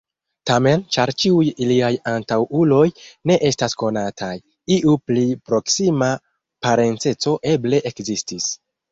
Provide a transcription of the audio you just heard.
Tamen, ĉar ĉiuj iliaj antaŭuloj ne estas konataj, iu pli proksima parenceco eble ekzistis.